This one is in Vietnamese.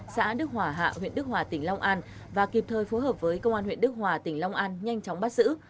xã đức hỏa hạ huyện đức hòa tỉnh long an và kịp thời phối hợp với công an huyện đức hòa tỉnh long an nhanh chóng bắt giữ